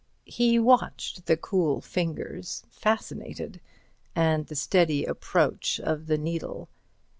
He watched the cool fingers, fascinated, and the steady approach of the needle.